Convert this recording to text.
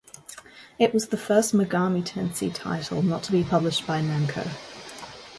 It was the first "Megami Tensei" title not to be published by Namco.